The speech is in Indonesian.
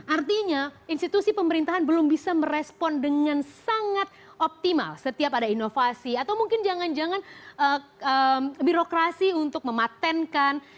artinya institusi pemerintahan belum bisa merespon dengan sangat optimal setiap ada inovasi atau mungkin jangan jangan birokrasi untuk mematenkan